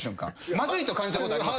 まずいと感じたことあります？